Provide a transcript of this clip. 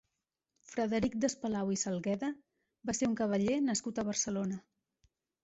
Frederic Despalau i Salgueda va ser un cavaller nascut a Barcelona.